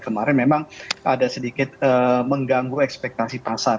kemarin memang ada sedikit mengganggu ekspektasi pasar